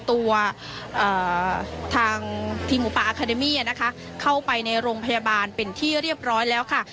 ตัวเอ่อทางทีมหุปะนะคะเข้าไปในโรงพยาบาลเป็นที่เรียบร้อยแล้วค่ะ